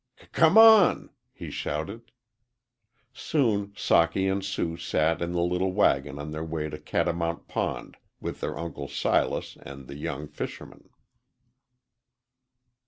"C come on!" he shouted. Soon Socky and Sue sat in the little wagon on their way to Catamount Pond with their Uncle Silas and the young fisherman.